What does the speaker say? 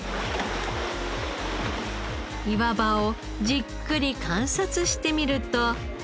岩場をじっくり観察してみると。